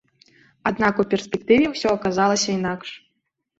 Аднак у перспектыве ўсё аказалася інакш.